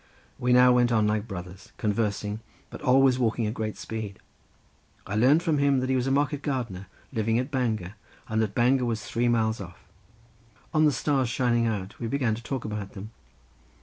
We now went on like brothers, conversing, but always walking at great speed. I learned from him that he was a market gardener living at Bangor, and that Bangor, was three miles off. On the stars shining out we began to talk about them.